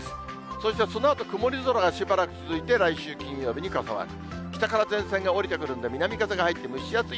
そしてそのあと曇り空がしばらく続いて、来週金曜日に傘マーク。